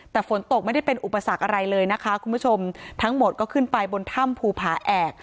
แต่ฝนตกไม่ได้เป็นอุปสรรคอะไรเลยนะคะคุณผู้ชมทั้งหมดก็ขึ้นไปบนถ้ำภูผาแอก